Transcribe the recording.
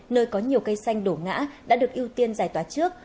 nơi có nhiều cây xanh đổ ngã đã được ưu tiên giải tỏa trước